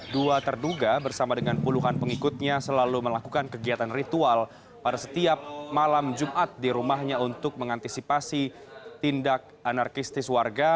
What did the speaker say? dua terduga bersama dengan puluhan pengikutnya selalu melakukan kegiatan ritual pada setiap malam jumat di rumahnya untuk mengantisipasi tindak anarkistis warga